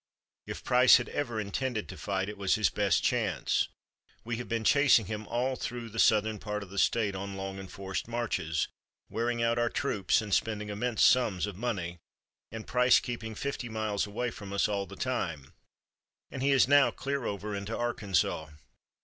If Price had ever intended to fight, it was his best chance. We have been chasing him all through the southern part of the State on long and forced marches, wearing out our troops, and spending immense sums of money, and Price keeping fifty miles away from us all the time, and he is now clear over into Arkansas.